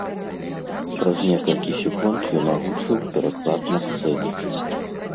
Праз некалькі секунд ён агучыў пераклад на сцэне.